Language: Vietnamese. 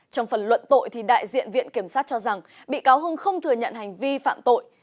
trong phần luận tội đại diện viện kiểm sát cho rằng bị cáo hưng không thừa nhận hành vi phạm tội